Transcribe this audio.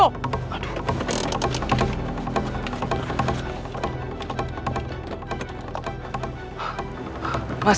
ini ada apa